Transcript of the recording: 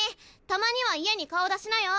たまには家に顔出しなよ。